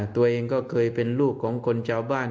ตัวเองก็เคยเป็นลูกของคนชาวบ้าน